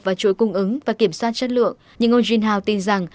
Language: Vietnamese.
vào chuỗi cung ứng và kiểm soát chất lượng nhưng ông junhao tin rằng